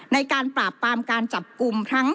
ในการปราบปรามการจับกลุ่มทั้ง